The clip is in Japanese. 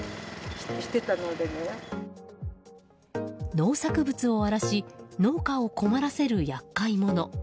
農作物を荒らし農家を困らせる厄介者。